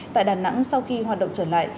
tại đà nẵng sau khi hoạt động trở lại